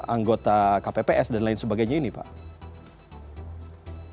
anggota kpps dan lain sebagainya ini pak